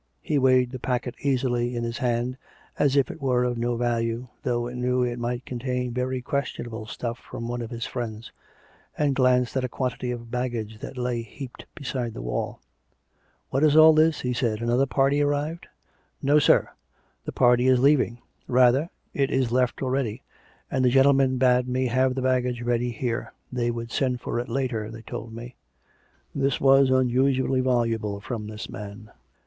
He weighed the packet easily in his hand, as if it were of no value, though he knew it might contain very questionable stuff from one of his friends, and glanced at a quantity of baggage that lay heaped beside the wall. " What is all this .''" he said. " Another party arrived .''"" No, sir ; the party is leaving. Rather, it is left already ; and the gentlemen bade me have the baggage ready here. They would send for it later, they told me." This was unusually voluble from this man.